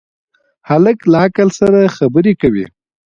هلک له عقل سره خبرې کوي.